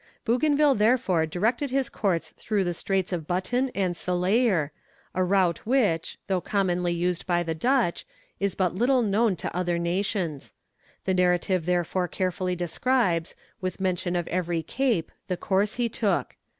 Bougainville therefore directed his course through the Straits of Button and Saleyer; a route which, though commonly used by the Dutch, is but little known to other nations. The narrative therefore carefully describes, with mention of every cape, the course he took.